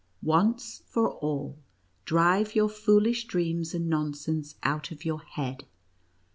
Once for all, drive your foolish dreams and nonsense out of your head.